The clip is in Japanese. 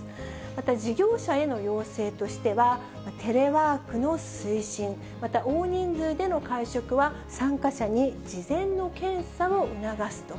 また事業者への要請としては、テレワークの推進、また大人数での会食は参加者に事前の検査を促すと。